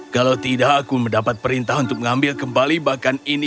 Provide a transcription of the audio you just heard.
kalau tidak aku mendapat perintah untuk mengambil kembali bahkan ini